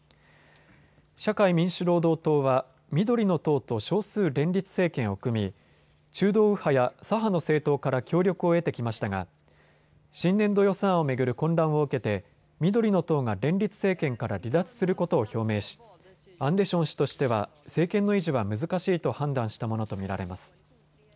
社会民主労働党は緑の党と少数連立政権を組み中道右派や左派の政党から協力を得てきましたが新年度予算案を巡る混乱を受けて緑の党が連立政権から離脱することを表明しアンデション氏としては政権の維持は難しいと判断したものと見られます。